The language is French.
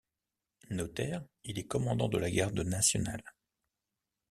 Notaire, il est commandant de la garde nationale.